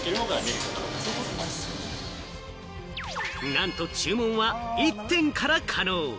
なんと注文は１点から可能。